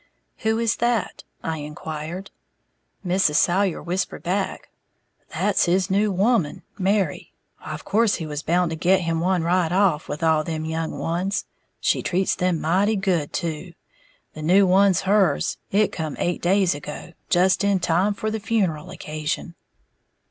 "Who is that?" I inquired. Mrs. Salyer whispered back, "That's his new woman, Mary, of course he was bound to get him one right off, with all them young ones. She treats them mighty good, too. The new one's hers, it come eight days ago, just in time for the funeral occasion."